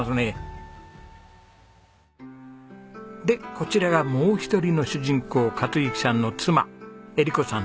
こちらがもう一人の主人公克幸さんの妻絵理子さん